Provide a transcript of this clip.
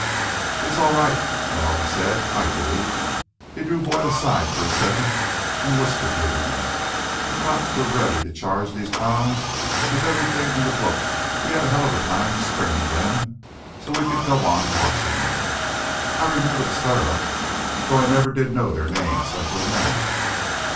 "It's all right," Malone said. "I do." He drew Boyd aside for a second, and whispered to him: "The cops were ready to charge these three clowns with everything in the book. We had a hell of a time springing them so we could go on watching them. I remember the stir up, though I never did know their names until now."